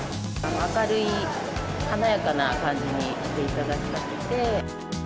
明るい華やかな感じにしていただきたくて。